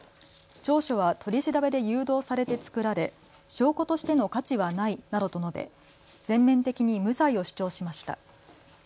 調書は取り調べで誘導されて作られ証拠としての価値はないなどと述べ全面的に無罪を主張しました。